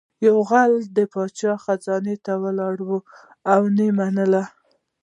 یو غل د پاچا خزانې ته لاره کړې وه او نه یې منله